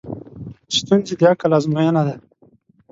ستونزې د عقل ازموینه ده.